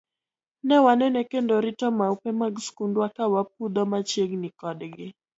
Ne waneno kendo rito maupe mag skundwa ka wapudho machiegni kodgi.